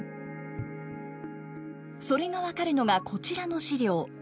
それが分かるのがこちらの資料。